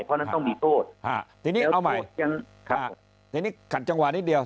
เพราะฉะนั้นต้องมีโทษทีนี้เอาใหม่ทีนี้ขัดจังหวะนิดเดียว